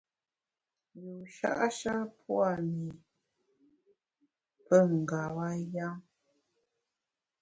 Yusha’ sha pua’ mi pe ngeba yam.